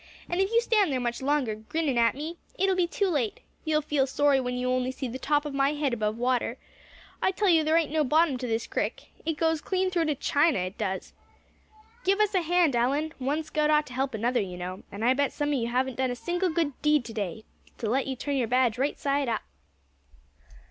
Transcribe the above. And if you stand there much longer, grinnin' at me, it'll be too late! You'll feel sorry when you only see the top of my head above water. I tell you there ain't no bottom to this crick. It goes clean through to China, it does, now. Give us a hand, Allan, Thad. One scout ought to help another, you know; and I bet some of you haven't done a single good deed to day, to let you turn your badge right side up."